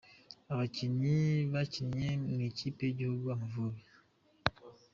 Abakinnyi bakinnye mw’ikipe y’igihugu « Amavubi »